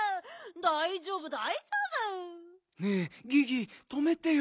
だいじょうぶだいじょうぶ！ねえギギとめてよ。